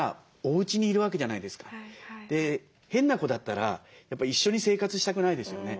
で変な子だったら一緒に生活したくないですよね。